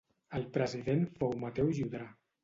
El president fou Mateu Llodrà.